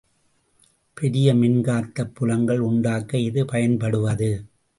பெரிய மின்காந்தப் புலங்கள் உண்டாக்க இது பயன்படுவது.